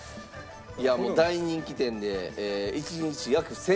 いやもう大人気店で。